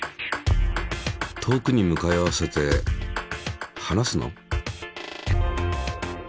遠くに向かい合わせて話すの？